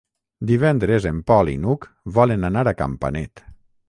Divendres en Pol i n'Hug volen anar a Campanet.